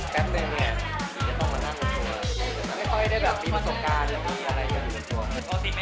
แก๊บเลยเนี่ย